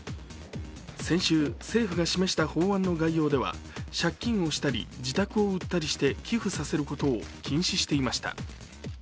先週、政府が示した法案の概要では借金をしたり、自宅を売ったりして寄付させることを禁止していました。